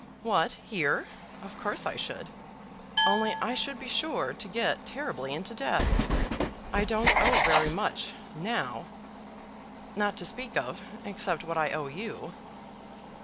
"What; here? Of course I should. Only I should be sure to get terribly into debt. I don't owe very much, now, not to speak of, except what I owe you."